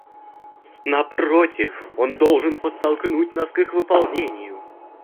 Напротив, он должен подтолкнуть нас к их выполнению.